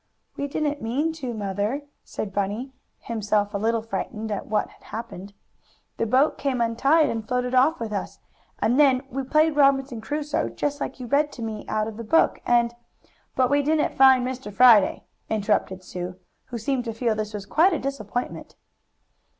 "We didn't mean to, Mother," said Bunny, himself a little frightened at what had happened. "The boat came untied, and floated off with us, and then we played Robinson Crusoe, just like you read to me out of the book, and " "But we didn't find Mr. Friday," interrupted Sue, who seemed to feel this was quite a disappointment.